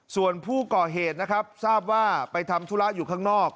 ส่วนผู้ก่อเหตุนะครับทราบว่าไปทำธุระอยู่ข้างนอก